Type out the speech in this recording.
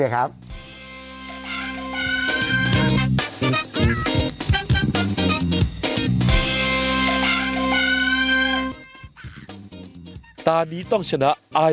พี่ขับรถไปเจอแบบ